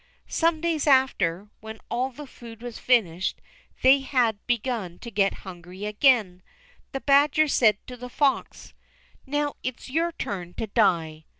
Some days after, when all the food was finished, and they had begun to get hungry again, the badger said to the fox: "Now it's your turn to die."